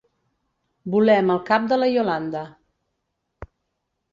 Volem el cap de la Iolanda.